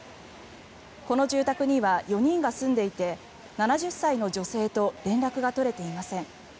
この住宅には４人が住んでいて７０歳の女性と連絡が取れていません。